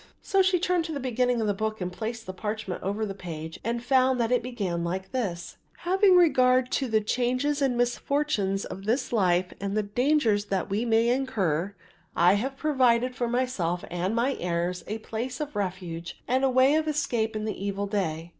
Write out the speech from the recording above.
So she turned to the beginning of the book and placed the parchment over the page and found that it began like this; "Having regard to the changes and misfortunes of this life and the dangers that we may incur, I have provided for myself and my heirs a place of refuge and a way of escape in the evil day.